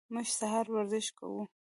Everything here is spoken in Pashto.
موږ سهار ورزش کوو.